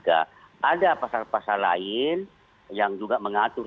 ada pasal pasal lain yang juga mengatur